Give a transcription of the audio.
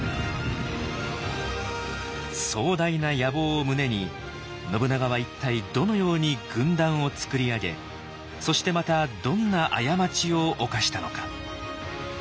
壮大な野望を胸に信長は一体どのように軍団をつくり上げそしてまたどんな過ちを犯したのか。